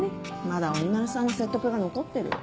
まだ鬼丸さんの説得が残ってる。